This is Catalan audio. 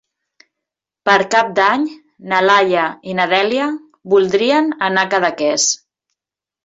Per Cap d'Any na Laia i na Dèlia voldrien anar a Cadaqués.